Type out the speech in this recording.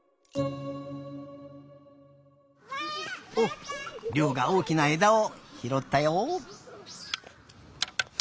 おっりょうがおおきなえだをひろったよ。